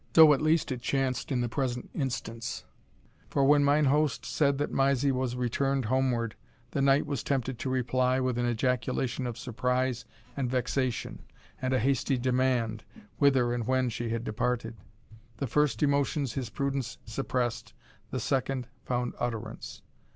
So at least it chanced in the present instance; for when mine host said that Mysie was returned homeward, the knight was tempted to reply, with an ejaculation of surprise and vexation, and a hasty demand, whither and when she had departed? The first emotions his prudence suppressed, the second found utterance.